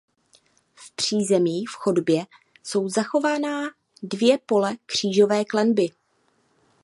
V přízemí v chodbě jsou zachovaná dvě pole křížové klenby.